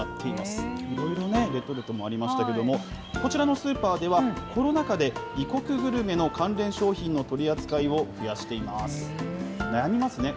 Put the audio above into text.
いろいろ、レトルトもありましたけれども、こちらのスーパーでは、コロナ禍で、異国グルメの関連商品の取り扱いを増やしています。